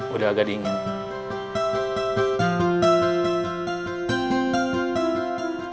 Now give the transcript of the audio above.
udah agak dingin